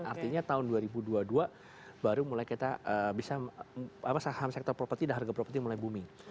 artinya tahun dua ribu dua puluh dua baru mulai kita bisa saham sektor properti dan harga properti mulai booming